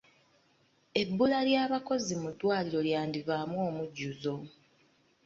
Ebbula ly'abakozi mu ddwaliro lyandivaamu omujjuzo.